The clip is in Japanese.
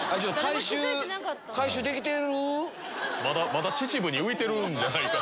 まだ秩父に浮いてるんじゃないか。